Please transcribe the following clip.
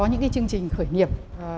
những cái chương trình khởi nghiệp